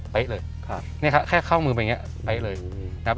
เป๊ะเลยแค่เข้ามือไปอย่างนี้เป๊ะเลย